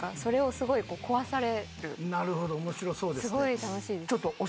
すごい楽しいです。